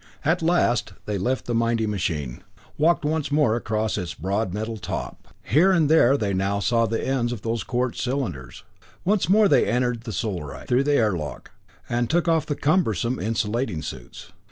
At last they left the mighty machine; walked once more across its broad metal top. Here and there they now saw the ends of those quartz cylinders. Once more they entered the Solarite, through the air lock, and took off the cumbersome insulating suits.